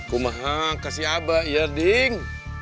kumaha kasih aba ya ding